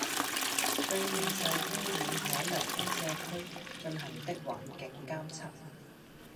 對未受污染海泥傾卸區進行的環境監測